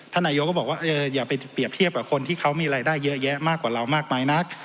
นายกก็บอกว่าอย่าไปเปรียบเทียบกับคนที่เขามีรายได้เยอะแยะมากกว่าเรามากมายนัก